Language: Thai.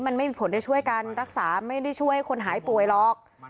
มันไม่มีผลได้ช่วยการรักษาไม่ได้ช่วยคนหายป่วยหรอก